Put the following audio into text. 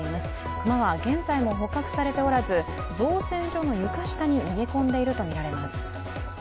熊は現在も捕獲されておらず、造船所の床下に逃げ込んでいるとみられます。